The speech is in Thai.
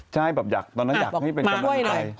ใช่แบบตอนนั้นอยากให้เป็นกำลังใจ